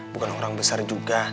bukan orang besar juga